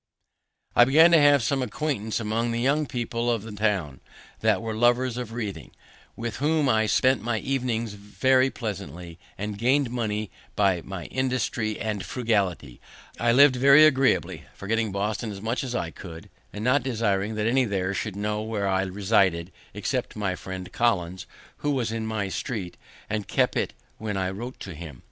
I began now to have some acquaintance among the young people of the town, that were lovers of reading, with whom I spent my evenings very pleasantly; and gaining money by my industry and frugality, I lived very agreeably, forgetting Boston as much as I could, and not desiring that any there should know where I resided, except my friend Collins, who was in my secret, and kept it when I wrote to him.